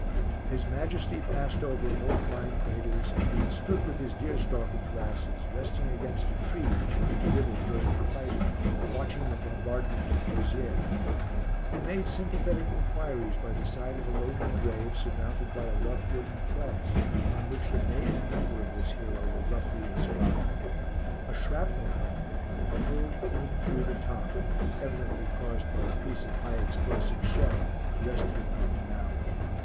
His Majesty passed over old mine craters, and stood with his deer stalking glasses, resting against a tree which had been withered during the fighting, watching the bombardment of Pozières. He made sympathetic enquiries by the side of a lonely grave surmounted by a rough wooden cross, on which the name and number of this hero were roughly inscribed. A shrapnel helmet, with a hole clean through the top, evidently caused by a piece of high explosive shell, rested upon the mound.